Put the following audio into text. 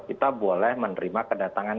kita boleh menerima kedatangan